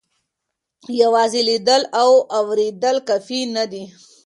یوازې لیدل او اورېدل کافي نه دي.